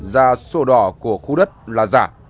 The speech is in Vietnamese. giá sổ đỏ của khu đất là giả